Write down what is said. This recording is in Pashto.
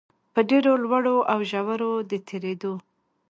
په ډېرو لوړو او ژورو د تېرېدو